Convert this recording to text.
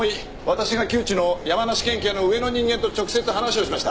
私が旧知の山梨県警の上の人間と直接話をしました。